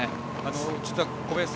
実は小林さん